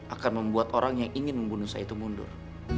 akan membuat orang yang ingin membunuh saya itu mundur